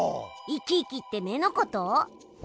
生き生きって目のこと？